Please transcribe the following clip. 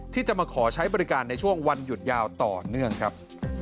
ที่จะมาขอใช้บริการในช่วงวันหยุดยาวต่อเนื่องครับ